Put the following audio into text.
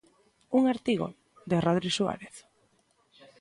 Un artigo de Rodri Suárez.